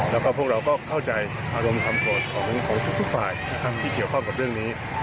แล้วก็พวกเราก็เข้าใจอารมณ์คำโกรธของทุกฝ่ายนะครับที่เกี่ยวข้องกับเรื่องนี้